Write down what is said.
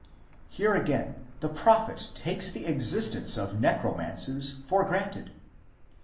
Here, again, the prophet takes the existence of necromancers for granted.